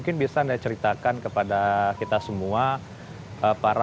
yang disuruh dikenal dengan peristiwa setahun